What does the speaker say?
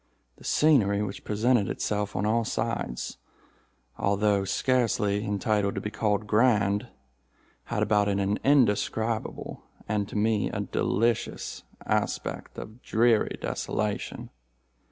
The scenery which presented itself on all sides, although scarcely entitled to be called grand, had about it an indescribable and to me a delicious aspect of dreary desolation.